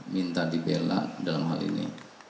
minta dibela dalam hal ini